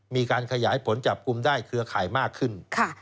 มีการขยายผลจับกลุ่มได้เครือข่ายมากขึ้น